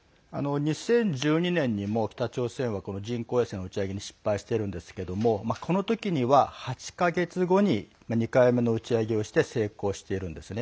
２０１２年にも北朝鮮は、人工衛星の打ち上げに失敗してるんですけどもこの時には８か月後に２回目の打ち上げをして成功しているんですね。